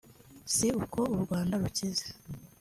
si uko u Rwanda rukize